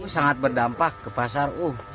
sangat berdampak ke pasar